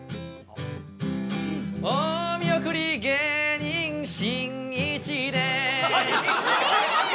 お見送り芸人しんいちですいい！